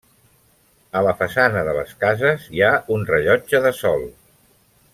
A la façana de les cases hi ha un rellotge de sol.